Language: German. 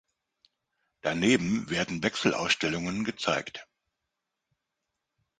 Daneben werden Wechselausstellungen gezeigt.